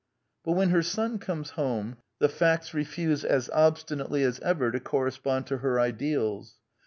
But when her son comes home, the facts refuse as obstinately as ever to correspond to her ideals.